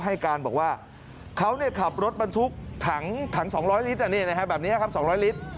ให้การบอกว่าเขาขับรถบรรทุกถัง๒๐๐ลิตรแบบนี้ครับ๒๐๐ลิตร